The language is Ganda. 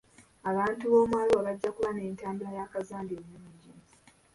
Abantu b'omu Arua bajja kuba n'entambula ya kazambi ennungi.